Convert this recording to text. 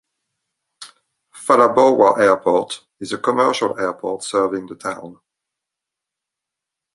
Phalaborwa Airport is a commercial airport serving the town.